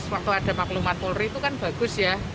waktu ada maklumat polri itu kan bagus ya